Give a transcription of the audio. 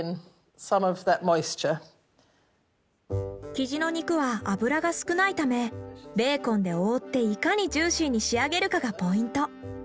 キジの肉は脂が少ないためベーコンで覆っていかにジューシーに仕上げるかがポイント。